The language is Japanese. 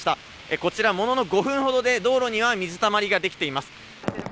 こちら、ものの５分ほどで、道路には水たまりが出来ています。